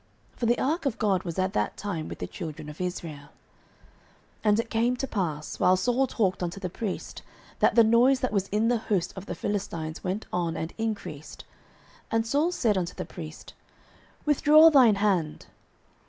For the ark of God was at that time with the children of Israel. 09:014:019 And it came to pass, while Saul talked unto the priest, that the noise that was in the host of the Philistines went on and increased: and Saul said unto the priest, Withdraw thine hand.